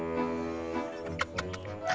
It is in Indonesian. gak terlalu baiknya